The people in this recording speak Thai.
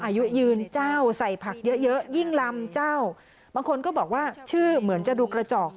อายุยืนเจ้าใส่ผักเยอะเยอะยิ่งลำเจ้าบางคนก็บอกว่าชื่อเหมือนจะดูกระจอก